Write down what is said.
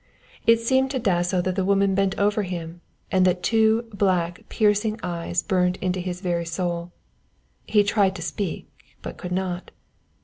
It seemed to Dasso that the woman bent over him and that two black piercing eyes burnt into his very soul. He tried to speak but could not.